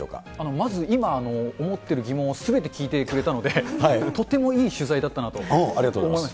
まず今、思ってる疑問をすべて聞いてくれたので、とってもいい取材だったなと思いました。